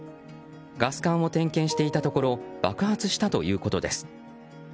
ガス管を点検していたところ爆発したということです。